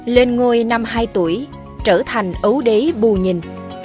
lên ngôi năm hai tuổi trở thành ấu đế bù nhìn